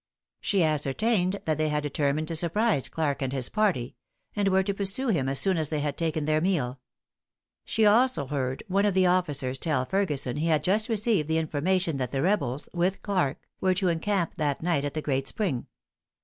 She ascertained that they had determined to surprise Clarke and his party; and were to pursue him as soon as they had taken their meal. She also heard one of the officers tell Ferguson he had just received the information that the rebels, with Clarke, were to encamp that night at the Great Spring.